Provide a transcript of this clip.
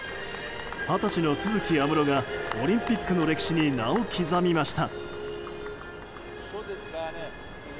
二十歳の都筑有夢路がオリンピックの歴史に名を刻みました。